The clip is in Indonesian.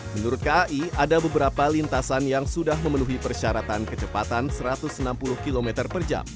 menurut kai ada beberapa lintasan yang sudah memenuhi persyaratan kecepatan satu ratus enam puluh km per jam